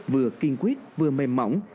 vừa kiên quyết vừa mềm mỏng